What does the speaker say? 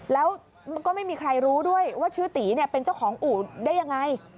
แล้วก็ไม่มีใครรู้ด้วยว่าชื่อตีเป็นเจ้าของอู่ได้ยังไง